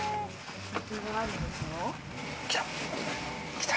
来た。